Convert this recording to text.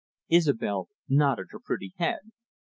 Isobel nodded her pretty dark head.